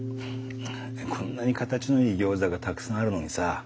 こんなに形のいいギョーザがたくさんあるのにさ